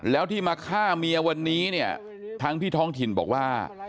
แล้วที่มาฆ่าเมียวันนี้เนี่ยทั้งที่ท้องถิ่นบอกว่า